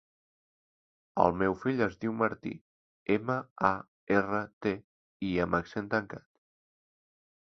El meu fill es diu Martí: ema, a, erra, te, i amb accent tancat.